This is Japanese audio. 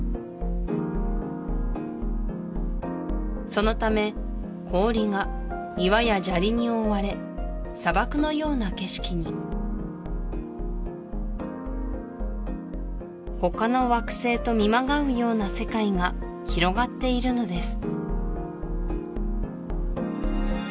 そのため氷が岩や砂利に覆われ砂漠のような景色に他の惑星と見まがうような世界が広がっているのです